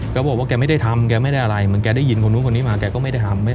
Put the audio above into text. ก็บอกว่าแกไม่ได้ทำแกไม่ได้อะไรเหมือนแกได้ยินคนนู้นคนนี้มาแกก็ไม่ได้ทำ